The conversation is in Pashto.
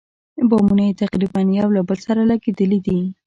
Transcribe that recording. بامونه یې تقریباً یو له بل سره لګېدلي دي.